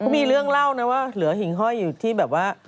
มีเรื่องเล่านะว่าเหลือหิ่งห้อยอยู่ที่แบบว่า